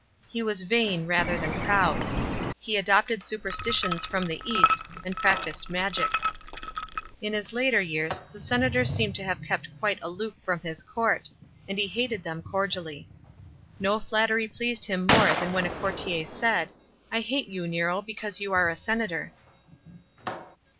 He was vain rather than proud. He adopted superstitions from the east, and practised mauic. In his later years, the senators seem to have kept quite aloof trom his court, and he hated them cordially. No flattery pleased him more than when a courtier said, " I hate you, Nero, because you are a senator."